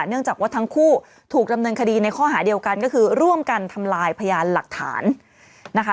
เนื่องจากว่าทั้งคู่ถูกดำเนินคดีในข้อหาเดียวกันก็คือร่วมกันทำลายพยานหลักฐานนะคะ